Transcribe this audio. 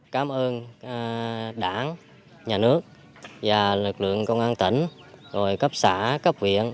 cảm ơn đảng nhà nước và lực lượng công an tỉnh rồi cấp xã cấp viện